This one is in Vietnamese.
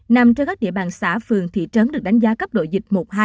nằm trên các địa bàn xã phường thị trấn được đánh giá cấp độ dịch một hai